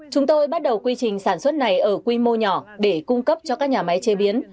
chúng tôi bắt đầu quy trình sản xuất này ở quy mô nhỏ để cung cấp cho các nhà máy chế biến